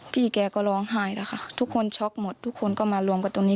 พี่แกก็ร้องไห้แล้วค่ะทุกคนช็อกหมดทุกคนก็มารวมกันตรงนี้